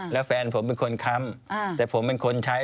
แล้วเขาสร้างเองว่าห้ามเข้าใกล้ลูก